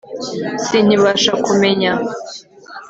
Sinkibasha kumenya